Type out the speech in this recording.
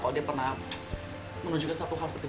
kalau dia pernah menunjukkan satu hal seperti itu